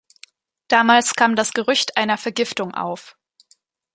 Damals kam das Gerücht einer Vergiftung auf.